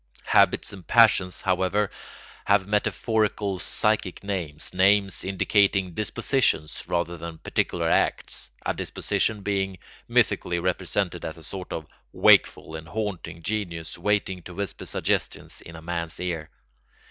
Habits and passions, however, have metaphorical psychic names, names indicating dispositions rather than particular acts (a disposition being mythically represented as a sort of wakeful and haunting genius waiting to whisper suggestions in a man's ear).